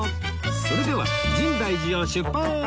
それでは深大寺を出発！